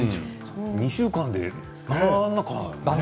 ２週間で、あんなに。